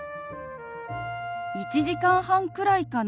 「１時間半くらいかな」。